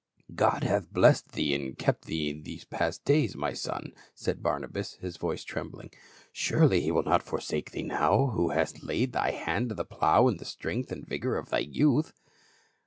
" God hath blessed thee and kept thee in past days, my son," said Barnabas, his voice trembling, "surely he will not forsake thee now, who hast laid thy hand to the plow in the strength and vigor of thy youth."